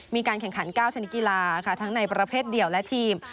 มีการแข่งขัน๙ชนิดกีฬาค่ะทั้งในประเภทเดียวและทีม